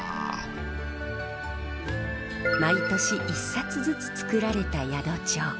毎年１冊ずつ作られた宿帳。